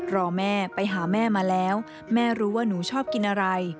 รอแม่ไปหาแม่มาแล้วแม่รู้ว่าหนูชอบกินอะไร